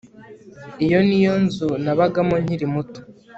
Iyi niyo nzu nabagamo nkiri muto